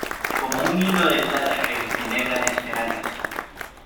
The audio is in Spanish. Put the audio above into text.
Como un hilo de plata que enhebrara esmeraldas.